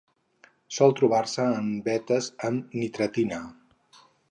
Sol trobar-se en vetes amb nitratina.